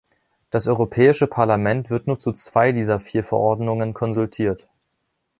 Das Europäische Parlament wird nur zu zwei dieser vier Verordnungen konsultiert.